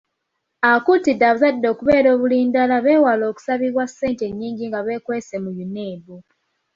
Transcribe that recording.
Akuutidde abazadde okubeera obulindaala beewale okusabibwa ssente ennyingi nga beekwese mu UNEB